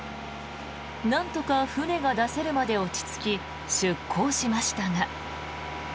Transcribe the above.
なんとか船が出せるまで落ち着き出港しましたが。